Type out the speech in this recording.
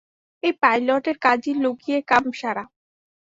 এই পাইলটের কাজই লুকিয়ে কাম সারা।